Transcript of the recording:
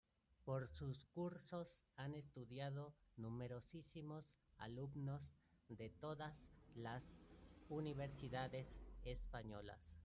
Por sus Cursos han estudiado numerosísimos alumnos de todas las universidades españolas.